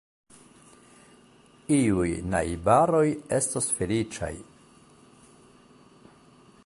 Iuj najbaroj estos feliĉaj.